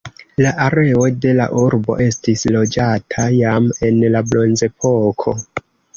La areo de la urbo estis loĝata jam en la bronzepoko.